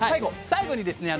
最後にですね